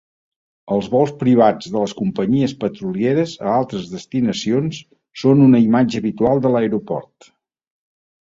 Els vols privats de les companyies petrolieres a altres destinacions són una imatge habitual de l'aeroport.